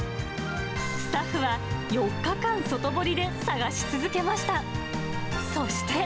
スタッフは４日間外堀で探し続けました。